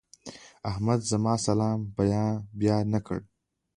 احمد زما سلام بيا نه کړ.